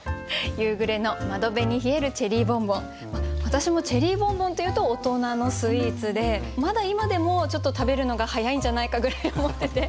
私もチェリーボンボンというと大人のスイーツでまだ今でもちょっと食べるのが早いんじゃないかぐらい思ってて。